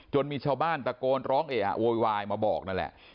มีชาวบ้านตะโกนร้องเออะโวยวายมาบอกนั่นแหละ